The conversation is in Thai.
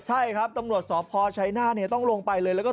ใช่ครับตำรวจสพชัยนาธต้องลงไปเลยแล้วก็